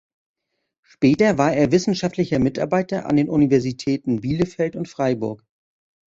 Später war er wissenschaftlicher Mitarbeiter an den Universitäten Bielefeld und Freiburg.